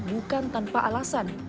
bukan tanpa alasan